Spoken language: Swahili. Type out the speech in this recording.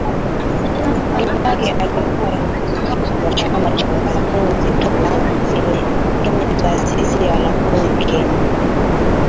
Kibaki alikuwa ni mwenyekiti wa chama cha wanafunzi toka Kenyataasisi ya wanafunzi Kenya